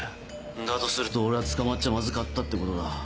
だとすると俺は捕まっちゃまずかったってことだ。